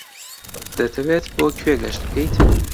دەتەوێت بۆ کوێ گەشت بکەیت؟